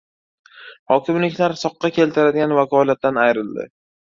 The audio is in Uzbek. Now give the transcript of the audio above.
Hokimliklar «soqqa» keltiradigan vakolatdan ayrildi